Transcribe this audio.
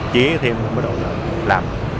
chí thêm bắt đầu làm